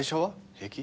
平気？